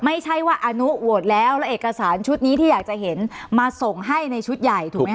ไม่ใช่ว่าอนุโหวตแล้วแล้วเอกสารชุดนี้ที่อยากจะเห็นมาส่งให้ในชุดใหญ่ถูกไหมค